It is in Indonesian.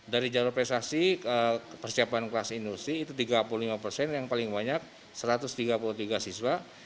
dari jalur prestasi persiapan kelas industri itu tiga puluh lima persen yang paling banyak satu ratus tiga puluh tiga siswa